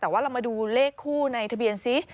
แต่ว่าเรามาดูเลขคู่ในทะเบียนซิ